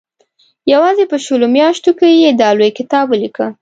یوازې په شلو میاشتو کې یې دا لوی کتاب ولیکه.